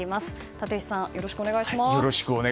立石さんよろしくお願いします。